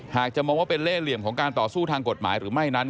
จะมองว่าเป็นเล่เหลี่ยมของการต่อสู้ทางกฎหมายหรือไม่นั้น